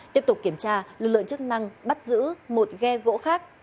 tiếp tục kiểm tra lực lượng chức năng bắt giữ một ghe gỗ khác